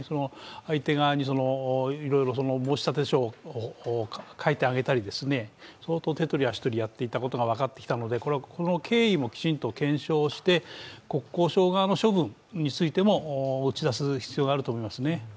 相手側にいろいろ申立書を書いてあげたり相当、手取り足取りやっていたことも分かったので、この経緯もきちんと検証して、国交省側の処分についても打ち出す必要があると思います。